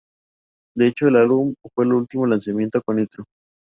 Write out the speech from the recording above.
De hecho, el álbum fue el último lanzamiento con Nitro.